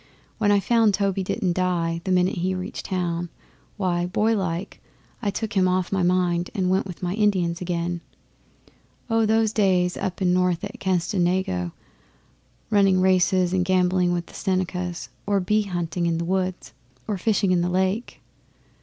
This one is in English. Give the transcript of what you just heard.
When I found Toby didn't die the minute he reached town, why, boylike, I took him off my mind and went with my Indians again. Oh! those days up north at Canasedago, running races and gambling with the Senecas, or bee hunting 'in the woods, or fishing in the lake.